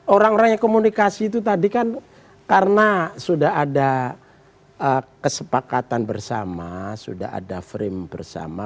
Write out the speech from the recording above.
orang orang yang komunikasi itu tadi kan karena sudah ada kesepakatan bersama sudah ada frame bersama